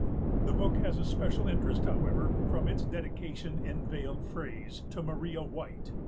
The book has a special interest, however, from its dedication in veiled phrase to Maria White.